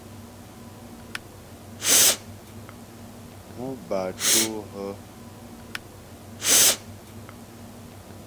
Pú batô hə́ ?